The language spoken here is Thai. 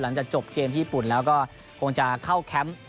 หลังจากจบเกมที่ญี่ปุ่นแล้วก็คงจะเข้าแคมป์